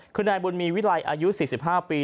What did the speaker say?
คือนายบุญมีวิลัยอายุ๔๕ปี